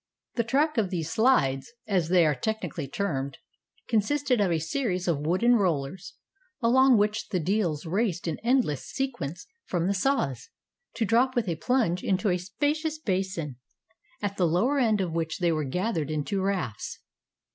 The track of these "slides," as they are technically termed, consisted of a series of wooden rollers, along which the deals raced in endless sequence from the saws, to drop with a plunge into a spacious basin, at the lower end of which they were gathered into rafts.